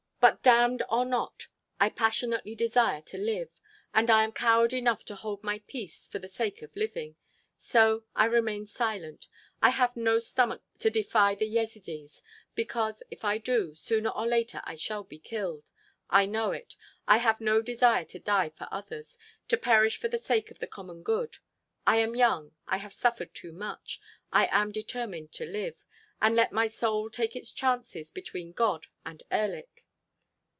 "But damned or not, I passionately desire to live. And I am coward enough to hold my peace for the sake of living. So—I remain silent. I have no stomach to defy the Yezidees; because, if I do, sooner or later I shall be killed. I know it. I have no desire to die for others—to perish for the sake of the common good. I am young. I have suffered too much; I am determined to live—and let my soul take its chances between God and Erlik."